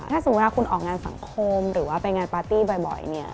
ถ้าสมมุติว่าคุณออกงานสังคมหรือว่าไปงานปาร์ตี้บ่อยเนี่ย